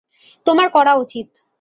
তোমার করা উচিত।